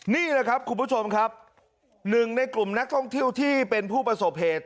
นี่แหละครับคุณผู้ชมครับหนึ่งในกลุ่มนักท่องเที่ยวที่เป็นผู้ประสบเหตุ